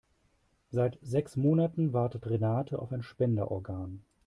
Seit sechs Monaten wartet Renate auf ein Spenderorgan.